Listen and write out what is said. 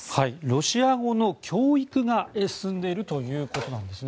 ロシア語の教育が進んでいるということです。